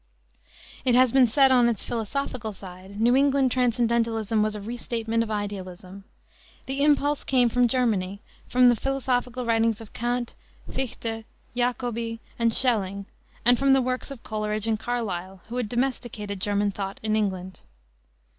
It has been said that, on its philosophical side, New England transcendentalism was a restatement of idealism. The impulse came from Germany, from the philosophical writings of Kant, Fichte, Jacobi, and Schelling, and from the works of Coleridge and Carlyle, who had domesticated German thought in England.